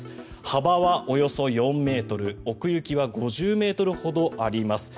幅はおよそ４ｍ奥行きは５０ｍほどあります。